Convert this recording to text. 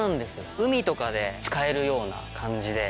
海とかで使えるような感じで。